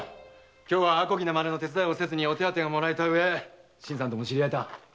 今日は阿漕なまねの手伝いをせずにお手当てをもらえた上新さんとも知り合えた。